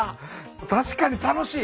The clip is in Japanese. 確かに楽しい！